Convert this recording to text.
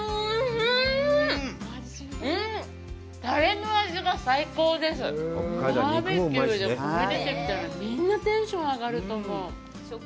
タレの味が最高ですＢＢＱでこれ出てきたらみんなテンション上がると思う